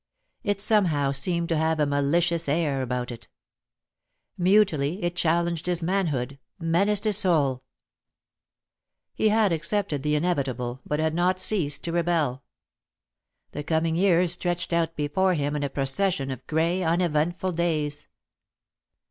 It somehow seemed to have a malicious air about it. Mutely it challenged his manhood, menaced his soul. [Sidenote: Uneventful Days] He had accepted the inevitable but had not ceased to rebel. The coming years stretched out before him in a procession of grey, uneventful days.